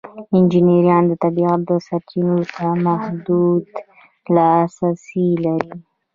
انجینران د طبیعت سرچینو ته محدود لاسرسی لري.